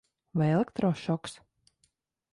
Vai elektrošoks?